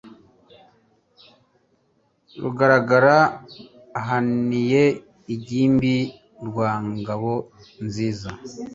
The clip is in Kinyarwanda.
Rugaragara ahananiye ingimbi rwa Ngabo nziza